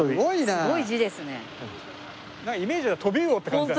なんかイメージはトビウオって感じ。